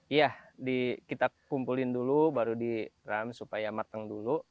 iya kita kumpulin dulu baru diram supaya matang dulu